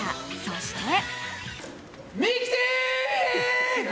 そして。